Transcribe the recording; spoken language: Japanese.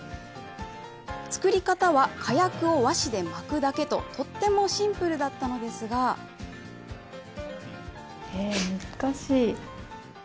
作り方は火薬を和紙で巻くだけととってもシンプルだったのですがえー、難しい。